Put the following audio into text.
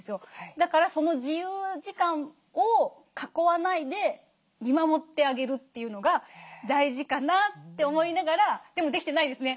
だからその自由時間を囲わないで見守ってあげるというのが大事かなって思いながらでもできてないですね。